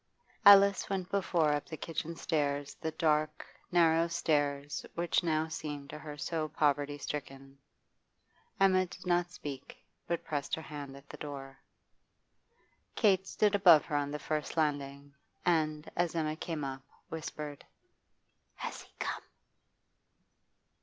Alice went before up the kitchen stairs, the dark, narrow stairs which now seemed to her so poverty stricken. Emma did not speak, but pressed her hand at the door. Kate stood above her on the first landing, and, as Emma came up, whispered: 'Has he come?